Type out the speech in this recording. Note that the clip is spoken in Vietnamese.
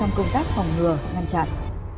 giúp phòng ngừa ngăn chặn